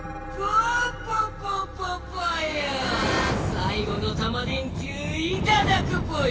最後のタマ電Ｑいただくぽよ。